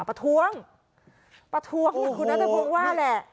ประท้วงประท้วงอย่างคุณนัทพงศ์ว่าแหละ